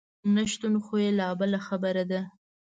نشتون خو یې لا بله خبره ده.